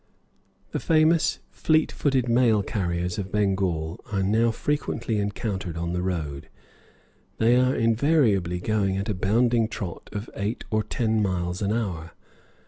The famous fleet footed mail carriers of Bengal are now frequently encountered on the road; they are invariably going at a bounding trot of eight or ten miles an hour.